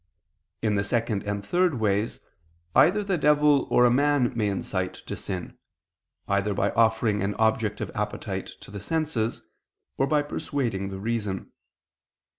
In the second and third ways, either the devil or a man may incite to sin, either by offering an object of appetite to the senses, or by persuading the reason.